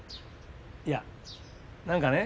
いや何かね